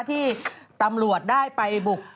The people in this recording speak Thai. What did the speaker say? ที่ตำรวจได้ไปบุก